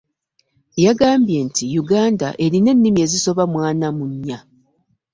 Yagambye nti Uganda erina ennimi ezisoba mu ana mu nnya.